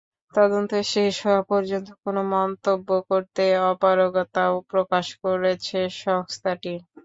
তদন্ত শেষ হওয়া পর্যন্ত কোনো মন্তব্য করতে অপারগতাও প্রকাশ করেছে সংস্থাটি।